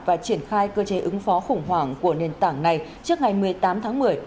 và triển khai cơ chế ứng phó khủng hoảng của nền tảng này trước ngày một mươi tám tháng một mươi